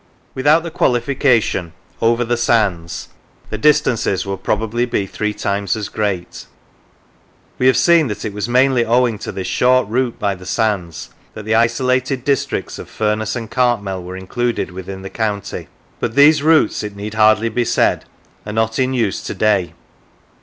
Without the qualification " over the sands," the distances would probably be three times as great. We have seen that it was mainly owing to this short route by the sands that the isolated districts of Furness and Cartmel were in cluded within the county; but these routes, it need hardly be said, are not in use to day.